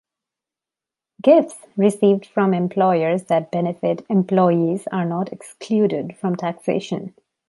"Gifts" received from employers that benefit employees are not excluded from taxation.